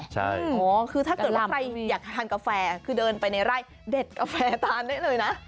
ใช่อ๋อคือถ้าเกิดว่าใครอยากทานกาแฟคือเดินไปในไร่เด็ดกาแฟทานได้เลยนะ